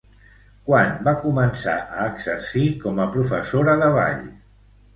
Quan va començar a exercir com a professora de ball?